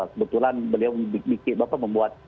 kebetulan beliau bikin bapak membuat